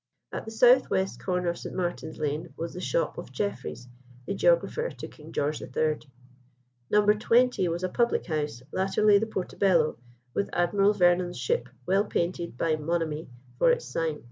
At the south west corner of St. Martin's Lane was the shop of Jefferys, the geographer to King George III. No. 20 was a public house, latterly the Portobello, with Admiral Vernon's ship, well painted by Monamy, for its sign.